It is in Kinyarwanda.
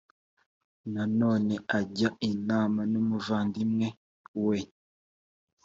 nanone ajya inama numuvandimwe we